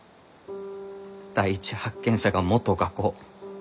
第一発見者が元画工。